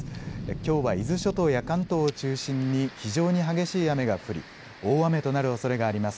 きょうは伊豆諸島や関東を中心に非常に激しい雨が降り大雨となるおそれがあります。